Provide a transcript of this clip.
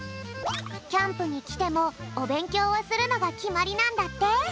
キャンプにきてもおべんきょうをするのがきまりなんだって。